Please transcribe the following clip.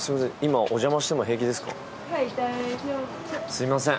すいません。